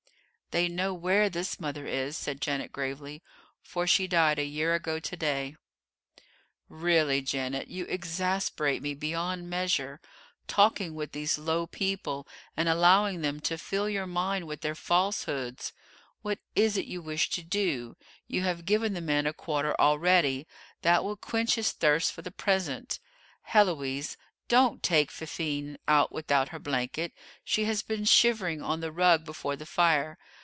"They know where this mother is," said Janet gravely, "for she died a year ago to day." "Really, Janet, you exasperate me beyond measure, talking with these low people, and allowing them to fill your mind with their falsehoods. What is it you wish to do? You have given the man a quarter already; that will quench his thirst for the present Héloise, don't take Fifine out without her blanket; she has been shivering on the rug before the fire.